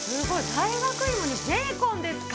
大学芋にベーコンですか？